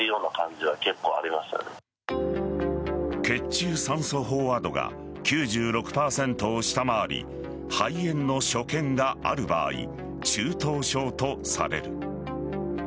血中酸素飽和度が９６％を下回り肺炎の所見がある場合中等症とされる。